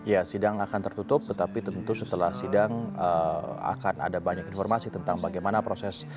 ya sidang akan tertutup tetapi tentu setelah sidang akan ada banyak informasi tentang bagaimana proses